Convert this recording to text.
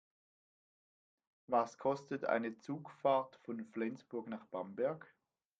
Was kostet eine Zugfahrt von Flensburg nach Bamberg?